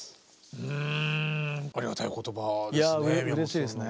うんありがたいお言葉ですね。